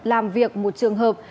làm việc một trường hợp